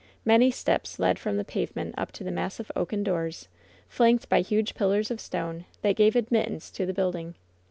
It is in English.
Many steps led from the pavement up to the massive oaken doors, flanked by huge pillars of stone, that gave admittance to the building.